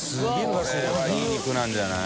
これはいい肉なんじゃない？